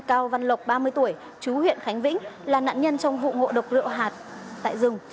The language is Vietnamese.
cao văn lộc ba mươi tuổi chú huyện khánh vĩnh là nạn nhân trong vụ ngộ độc rượu hạt tại rừng